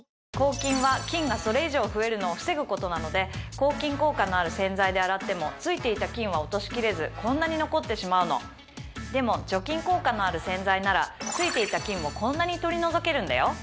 わかんないことなので抗菌効果のある洗剤で洗っても付いている菌は落としきれずこんなに残ってしまうのでも除菌効果のある洗剤なら付いていた菌もこんなに取り除けるんだよ